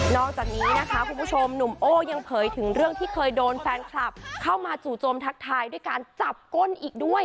อกจากนี้นะคะคุณผู้ชมหนุ่มโอ้ยังเผยถึงเรื่องที่เคยโดนแฟนคลับเข้ามาจู่โจมทักทายด้วยการจับก้นอีกด้วย